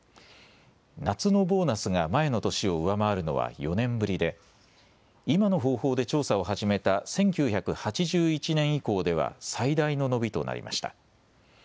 夏のボーナスが前の年を上回るのは４年ぶりで今の方法で調査を始めた１９８１年以降では最大の伸びとなりました。